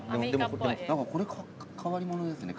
これ変わりものですね。